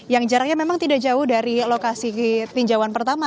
yang jaraknya memang tidak jauh dari lokasi tinjauan pertama